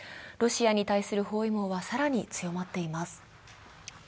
ロシアに対する包囲網は更に強まっています。